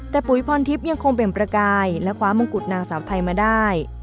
แต่ปุ๋ยพรทิพย์ยังคงเบลประกายและคว้ามงกุฎนางสาวไทยมาได้